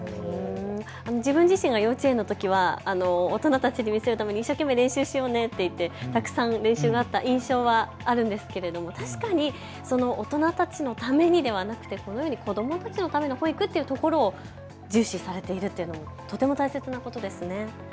自分自身が幼稚園のときは大人たちに見せるために一生懸命練習しようねと練習がいっぱいあった印象があるんですが確かに大人たちのためにではなく子どもたちのための保育というところを重視されているというのはとても大切なことですよね。